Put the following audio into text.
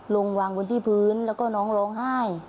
ลงวางบนที่พื้นแล้วก็น้องร้องไห้